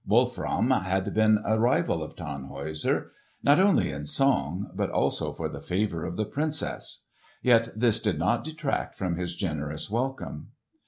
Wolfram had been a rival of Tannhäuser, not only in song but also for the favour of the Princess. Yet this did not detract from his generous welcome.